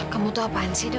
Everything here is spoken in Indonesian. kamu tuh apaan sih do